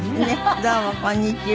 どうもこんにちは。